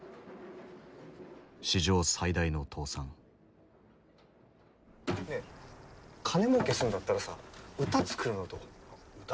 史上最大の倒産ねえ金もうけするんだったらさ歌作るのどう？